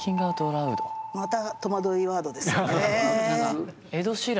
またとまどいワードですよね。